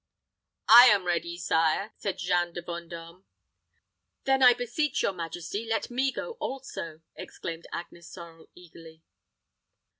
"I am ready, sire," said Jeanne de Vendôme. "Then, I beseech your majesty, let me go also," exclaimed Agnes Sorel, eagerly.